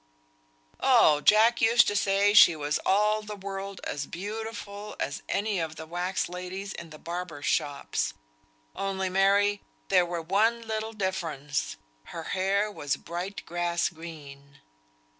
"Oh! Jack used to say she was for all the world as beautiful as any of the wax ladies in the barbers' shops; only, Mary, there were one little difference: her hair was bright grass green."